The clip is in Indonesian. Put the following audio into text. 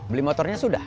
beli motornya sudah